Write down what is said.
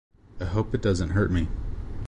I hope it doesn’t hurt me.